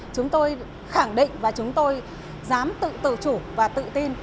chúng tôi khẳng định và chúng tôi dám tự tự chủ và tự tin